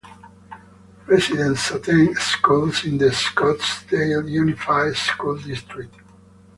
Residents attend schools in the Scottsdale Unified School District.